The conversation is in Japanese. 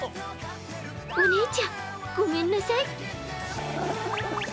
お姉ちゃん、ごめんなさい。